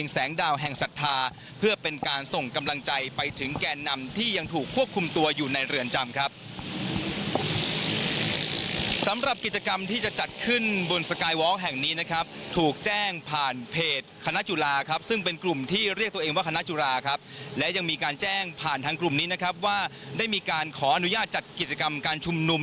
สัทธาเพื่อเป็นการส่งกำลังใจไปถึงแก่นำที่ยังถูกควบคุมตัวอยู่ในเรือนจำครับสำหรับกิจกรรมที่จะจัดขึ้นบนสกายวอลแห่งนี้นะครับถูกแจ้งผ่านเพจคณะจุฬาครับซึ่งเป็นกลุ่มที่เรียกตัวเองว่าคณะจุฬาครับและยังมีการแจ้งผ่านทางกลุ่มนี้นะครับว่าได้มีการขออนุญาตจัดกิจกรร